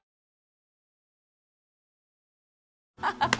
ハハハ。